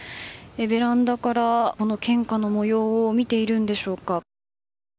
ベランダから献花の模様を見ているんでしょうか。